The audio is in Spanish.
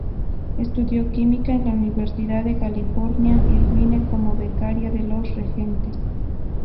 Estudió química en la Universidad de California, Irvine como becaria de los Regentes.